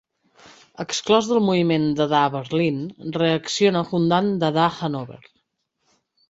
Exclòs del moviment dadà Berlín, reacciona fundant Dadà Hannover.